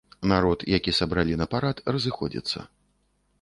Народ, які сабралі на парад, разыходзіцца.